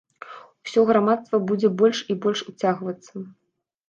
Усё грамадства будзе больш і больш уцягвацца.